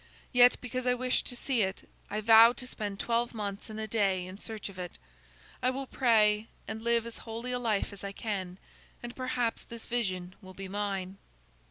Yet because I wish to see it, I vow to spend twelve months and a day in search of it. I will pray, and live as holy a life as I can, and perhaps this vision will be mine."